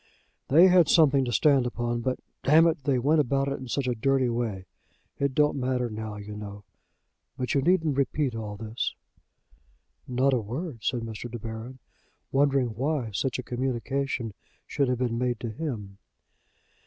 "They had something to stand upon, but, damn it, they went about it in such a dirty way! It don't matter now, you know, but you needn't repeat all this." "Not a word," said Mr. De Baron, wondering why such a communication should have been made to him.